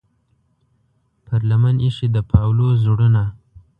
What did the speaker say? پر لمن ایښې د پاولو زړونه